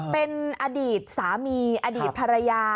เป็นอดีตสามีอดีตภรรยา